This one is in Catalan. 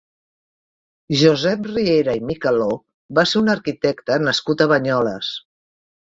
Josep Riera i Micaló va ser un arquitecte nascut a Banyoles.